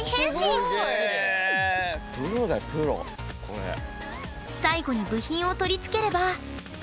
最後に部品を取り付ければ。